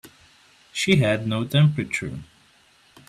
She had no temperature.